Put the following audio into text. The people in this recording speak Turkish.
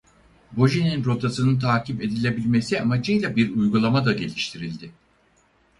Boji'nin rotasının takip edilebilmesi amacıyla bir uygulama da geliştirildi.